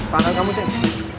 tanggal kamu ceng